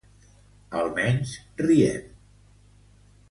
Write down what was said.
Almenys riem.